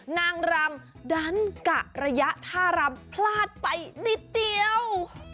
นางรำดันกะระยะท่ารำพลาดไปนิดเดียว